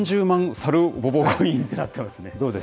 さるぼぼコインとなっていますね。